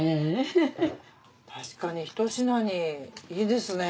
確かにひと品にいいですね。